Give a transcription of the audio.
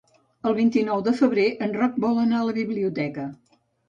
El vint-i-nou de febrer en Roc vol anar a la biblioteca.